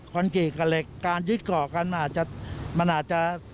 ควัณกี่ละเล็กแล้วการยึดเกาะมันอาจจะ